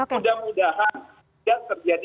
mudah mudahan tidak terjadi